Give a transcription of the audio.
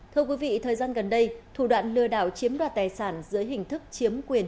thưa quý vị thời gian gần đây thủ đoạn lừa đảo chiếm đoạt tài sản dưới hình thức chiếm quyền